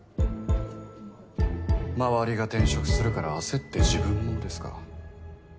周りが転職するから焦って自分もですか。